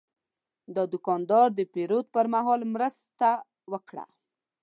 دا دوکاندار د پیرود پر مهال مرسته وکړه.